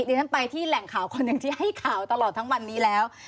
ดิฉันไปที่แหล่งข่าวคนหนึ่งที่ให้ข่าวตลอดทั้งวันนี้แล้ว